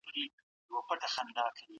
د خلګو آندونو سياسي ليډران مجبور کړل.